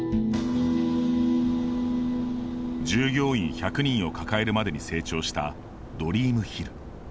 従業員１００人を抱えるまでに成長したドリームヒル。